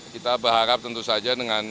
kita berharap tentu saja dengan